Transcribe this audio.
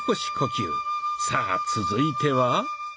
さあ続いては？